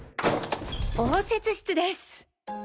応接室です。